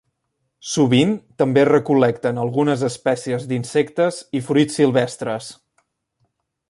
Sovint, també recol·lecten algunes espècies d’insectes i fruits silvestres.